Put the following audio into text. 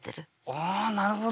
ああなるほど。